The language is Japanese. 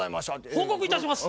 報告いたします！